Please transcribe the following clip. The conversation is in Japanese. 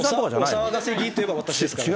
お騒がせ議員といえば私ですからね。